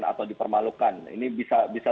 atau dipermalukan ini bisa